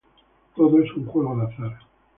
Todo es un juego de azar.